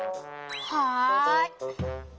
はい。